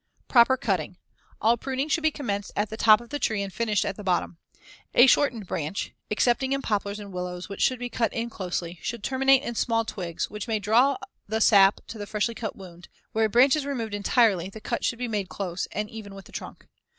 Proper cutting: All pruning should be commenced at the top of the tree and finished at the bottom. A shortened branch (excepting in poplars and willows, which should be cut in closely) should terminate in small twigs which may draw the sap to the freshly cut wound; where a branch is removed entirely, the cut should be made close and even with the trunk, as in Fig.